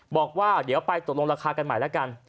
บอกว่าเดี๋ยวไปตกลงราคากันใหม่แล้วกัน